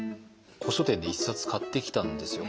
古書店で１冊買ってきたんですよ。